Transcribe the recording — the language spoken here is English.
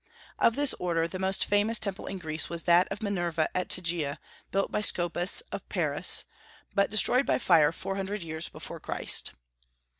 Of this order the most famous temple in Greece was that of Minerva at Tegea, built by Scopas of Paros, but destroyed by fire four hundred years before Christ.